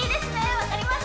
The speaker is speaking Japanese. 分かります！